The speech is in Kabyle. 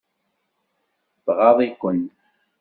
Tɣaḍ-iken.